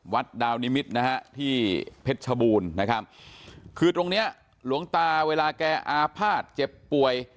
วัดดาวนิมิตรนะฮะที่เพชรชบูรณ์นะครับคือตรงเนี้ยหลวงตาเวลาแกอาภาษณ์เจ็บป่วย